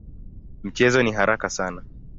Mchezo ni haraka sana.